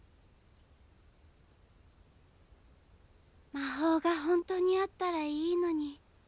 魔法がほんとにあったらいいのに。